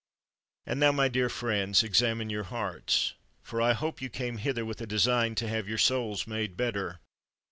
And now, my dear friends, examine your hearts, for I hope you came hither with a design to have your souls made better.